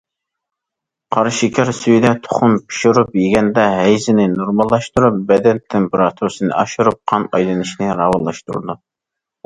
قارا شېكەر سۈيىدە تۇخۇم پىشۇرۇپ يېگەندە ھەيزنى نورماللاشتۇرۇپ، بەدەن تېمپېراتۇرىسىنى ئاشۇرۇپ، قان ئايلىنىشنى راۋانلاشتۇرىدۇ.